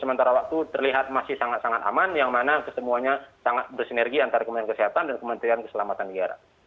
sementara waktu terlihat masih sangat sangat aman yang mana kesemuanya sangat bersinergi antara kementerian kesehatan dan kementerian keselamatan negara